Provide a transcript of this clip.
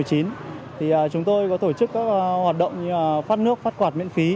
thì chúng tôi có tổ chức các hoạt động như phát nước phát quạt miễn phí